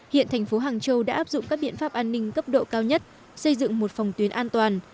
hiện thành phố hàng châu đã áp dụng các biện pháp an ninh cấp độ cao nhất xây dựng một phòng tuyến an toàn